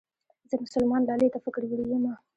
زه مسلمان لالي ته فکر وړې يمه